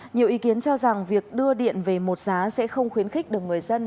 nhiều ý kiến cho rằng việc đưa điện về một giá sẽ không khuyến khích được người dân